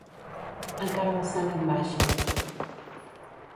Encara la sang en baixa.